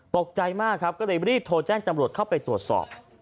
ตกใจมากครับก็เลยรีบโทรแจ้งจำรวจเข้าไปตรวจสอบ